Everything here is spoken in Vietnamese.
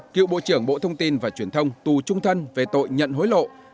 cựu bộ trưởng bộ thông tin và truyền thông tù trung thân về tội nhận hối lộ